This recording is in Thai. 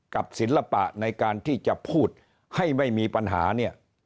ศิลปะในการที่จะพูดให้ไม่มีปัญหาเนี่ย